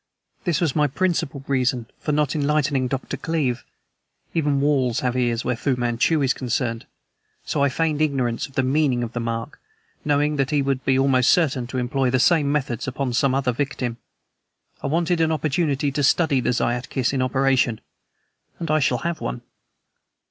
This was my principal reason for not enlightening Dr. Cleeve. Even walls have ears where Fu Manchu is concerned, so I feigned ignorance of the meaning of the mark, knowing that he would be almost certain to employ the same methods upon some other victim. I wanted an opportunity to study the Zayat Kiss in operation, and I shall have one."